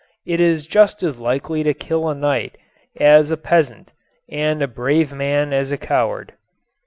It is just as likely to kill a knight as a peasant, and a brave man as a coward.